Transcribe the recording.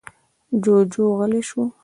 جُوجُو غلی شو.